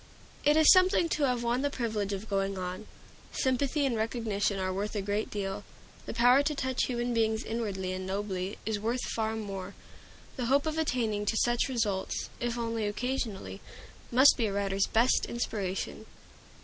It is something to have won the privilege of going on. Sympathy and recognition are worth a great deal; the power to touch human beings inwardly and nobly is worth far more. The hope of attaining to such results, if only occasionally, must be a writer's best inspiration.